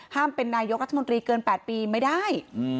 เป็นนายกรัฐมนตรีเกิน๘ปีไม่ได้